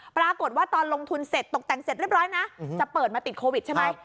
ปรากฏว่าตอนลงทุนเสร็จตกแต่งเสร็จเรียบร้อยนะจะเปิดมาติดโควิดใช่ไหม